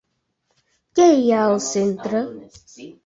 Què hi ha al centre?